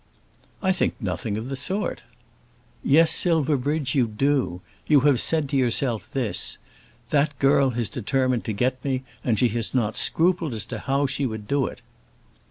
"I think nothing of the sort." "Yes, Silverbridge, you do. You have said to yourself this; That girl has determined to get me, and she has not scrupled as to how she would do it."